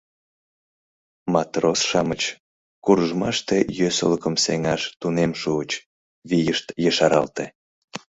Матрос-шамыч куржмаште йӧсылыкым сеҥаш тунем шуыч, вийышт ешаралте.